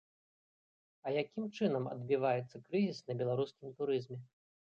А якім чынам адбіваецца крызіс на беларускім турызме?